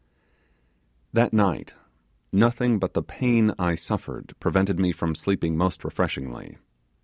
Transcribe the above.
That night nothing but the pain I suffered prevented me from sleeping most refreshingly.